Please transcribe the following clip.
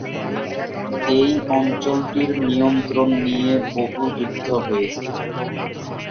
এই অঞ্চলটির নিয়ন্ত্রণ নিয়ে বহু যুদ্ধ হয়েছে।